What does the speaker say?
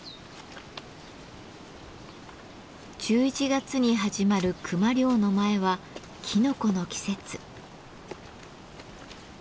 １１月に始まる熊猟の前はきのこの季節。